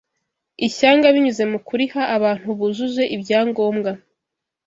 ishyanga binyuze mu kuriha abantu bujuje ibyangombwa